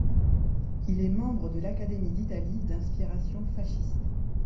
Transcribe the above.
Il est membre de l'Académie d'Italie d'inspiration fasciste.